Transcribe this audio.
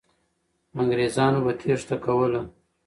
انګریزان به تېښته کوله.